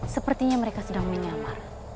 sepertinya mereka sedang menyamar